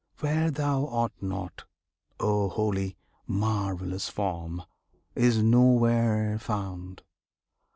Where Thou art not, O Holy, Marvellous Form! is nowhere found!